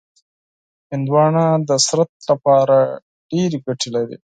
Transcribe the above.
هندوانه د بدن لپاره ډېرې ګټې لري.